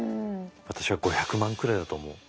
私は５００万くらいだと思う。